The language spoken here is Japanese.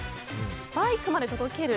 バイクまで届ける。